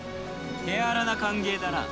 手荒な歓迎だな。